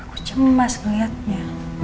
aku cemimas ngeliatnya